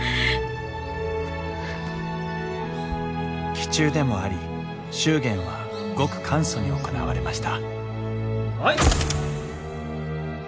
忌中でもあり祝言はごく簡素に行われましたはい。